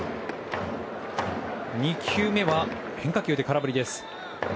２球目は変化球で空振りです。